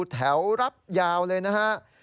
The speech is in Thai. แถวรับยาวเลยนะฮะ